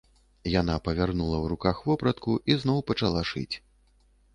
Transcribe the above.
Яна павярнула ў руках вопратку і зноў пачала шыць.